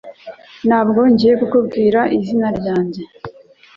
Ntabwo ngiye kukubwira izina ryanjye